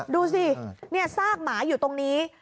ดูสิซากหมาอยู่ตรงนี้